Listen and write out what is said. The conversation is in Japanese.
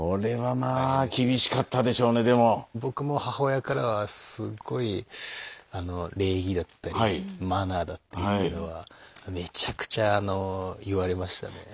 僕も母親からはすごいあの礼儀だったりマナーだったりっていうのはめちゃくちゃ言われましたね。